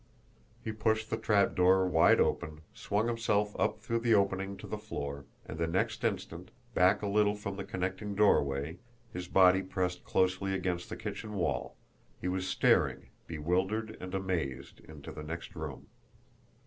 He pushed the trapdoor wide open, swung himself up through the opening to the floor; and the next instant, back a little from the connecting doorway, his body pressed closely against the kitchen wall, he was staring, bewildered and amazed, into the next room.